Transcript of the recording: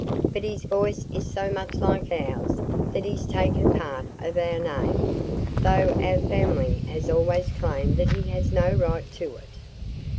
But his voice is so much like ours that he's taken part of our name, though our family has always claimed that he has no right to it."